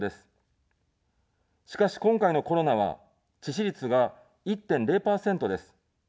しかし、今回のコロナは致死率が１．０％です。